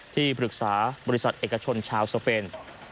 ที่ปรึกษาบริษัทเอกชนชาวสเปน